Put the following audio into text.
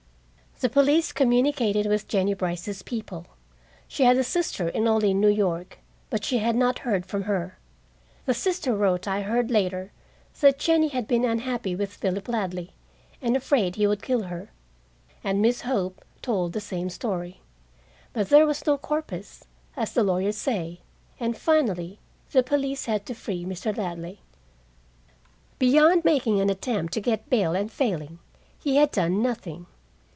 The police communicated with Jennie Brice's people she had a sister in Olean, New York, but she had not heard from her. The sister wrote I heard later that Jennie had been unhappy with Philip Ladley, and afraid he would kill her. And Miss Hope told the same story. But there was no corpus, as the lawyers say, and finally the police had to free Mr. Ladley. Beyond making an attempt to get bail, and failing, he had done nothing.